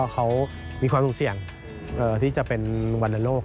เขามีความสูงเสี่ยงที่จะเป็นวรรณโลก